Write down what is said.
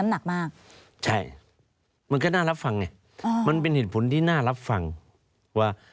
มันก็น่ารับฟังไง